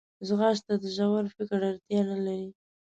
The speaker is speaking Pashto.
ځغاسته د ژور فکر اړتیا نه لري